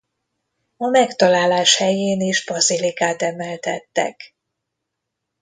A megtalálás helyén is bazilikát emeltettek.